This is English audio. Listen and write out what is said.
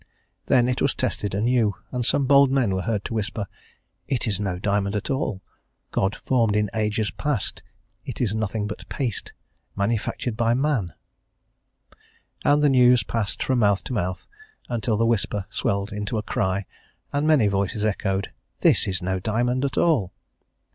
Then it was tested anew, and some bold men were heard to whisper, "It is no diamond at all, God formed in ages past; it is nothing but paste, manufactured by man;" and the news passed from mouth to mouth, until the whisper swelled into a cry, and many voices echoed, "This is no diamond at all."